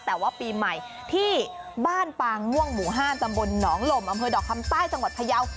แต่ว่าปีใหม่ที่บ้านปางม่วงหมู่๕ตำบลหนองลมอำเภอดอกคำใต้จังหวัดพยาว